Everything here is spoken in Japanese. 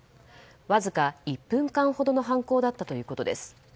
わずか１分間ほどの犯行だったということです。